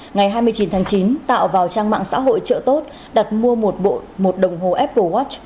ngày hai mươi chín tháng chín tạo vào trang mạng xã hội trợ tốt đặt mua một bộ một đồng hồ apple watch